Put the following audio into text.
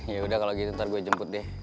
yaudah kalo gitu ntar gue jemput deh